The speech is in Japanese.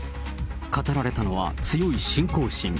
語られたのは強い信仰心。